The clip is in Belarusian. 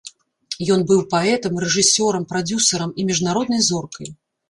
Ён быў паэтам, рэжысёрам, прадзюсарам і міжнароднай зоркай.